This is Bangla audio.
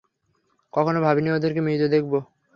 কখনো ভাবিনি ওদেরকে মৃত দেখবো।